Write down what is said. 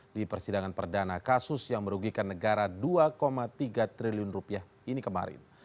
di persidangan perdana kasus yang merugikan negara dua tiga triliun rupiah ini kemarin